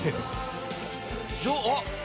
あっ！